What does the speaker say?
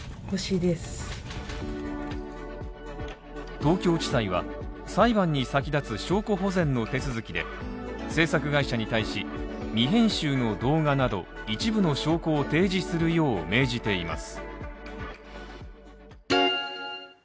東京地裁は裁判に先立つ証拠保全の手続きで制作会社に対し、未編集の動画など一部の証拠を提示するよう命じています。